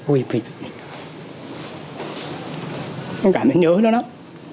ui mình cảm nhận nhớ nó lắm